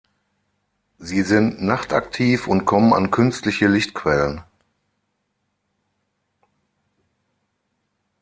Sie sind nachtaktiv und kommen an künstliche Lichtquellen.